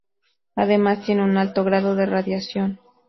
Además, tienen un alto grado de radiación.